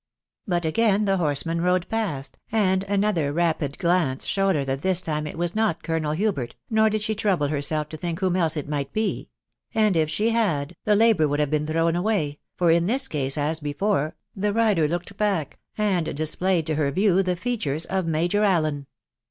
But again the horseman rode past, and another rapid glance showed her that this time it was not Colonel Hubert, nor did she trouble herself to think whom else it might be ; and if she had, the labour would have been thrown away, for in this case, as before, the rider looked back, and displayed to her view the features of Major Allen.